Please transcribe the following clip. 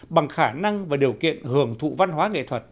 bằng khả năng và điều kiện hưởng thụ văn hóa nghệ thuật